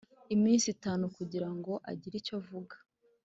Iminsi itanu kugira ngo agire icyo avuga